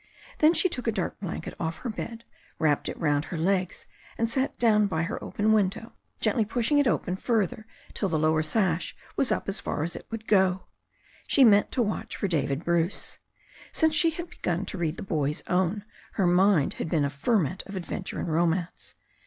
Then she took a dark blanket off her bed, wrapped it round her legs, and sat down by her open win dow, gently pushing it open further till the lower sash was up as far as it would go. She meant to watch for David Bruce. Since she had begun to read the Boys^ Own, her mmd had been a ferment of adventure and romance.